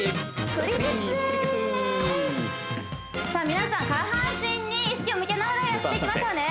皆さん下半身に意識を向けながらやっていきましょうね